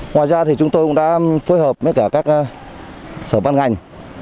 ngoài ra chúng tôi cũng đã phối hợp với các sở ban ngành